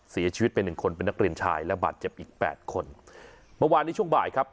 เสียชีวิตไปหนึ่งคนเป็นนักเรียนชายและบาดเจ็บอีกแปดคนเมื่อวานนี้ช่วงบ่ายครับ